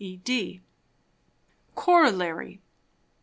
E. D._ _Corollary.